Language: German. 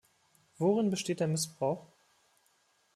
Worin besteht der Missbrauch?